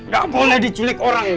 gak boleh diculik orang ini